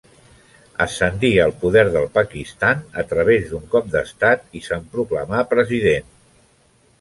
Ascendí al poder del Pakistan a través d'un cop d'estat i se'n proclamà president.